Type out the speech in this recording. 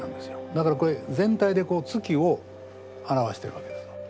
だからこれ全体で月を表しているわけですよ。